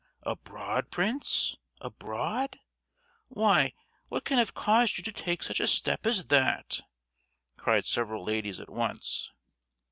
"Abroad, Prince, abroad? Why, what can have caused you to take such a step as that?" cried several ladies at once.